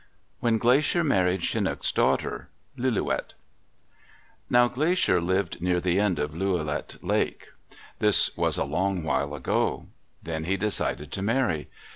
WHEN GLACIER MARRIED CHINOOK'S DAUGHTER Lillooet Now Glacier lived near the end of Lillooet Lake. This was a long while ago. Then he decided to marry.